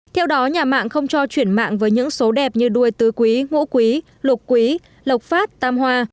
theo đó nhà mạng không cho chuyển mạng với những số đẹp như đuôi tứ quý ngũ quý lục quý lộc phát tam hoa